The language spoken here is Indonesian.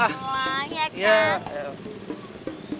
gak gak gak